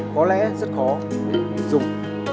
có lẽ rất khó để dùng